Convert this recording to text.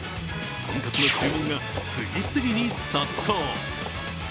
とんかつの注文が次々に殺到。